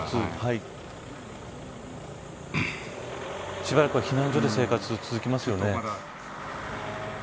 しばらくは避難所での生活が続きますよね。